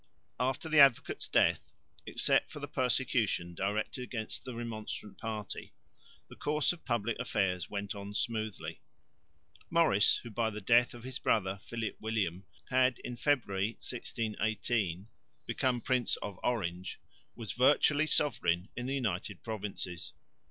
After the Advocate's death, except for the persecution directed against the Remonstrant party, the course of public affairs went on smoothly. Maurice, who by the death of his brother, Philip William, had in February, 1618, become Prince of Orange, was virtually sovereign in the United Provinces.